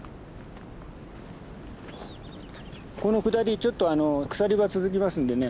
この下りちょっと鎖場続きますんでね